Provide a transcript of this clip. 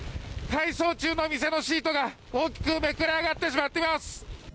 改装中の店のシートが大きくめくれ上がってしまっています。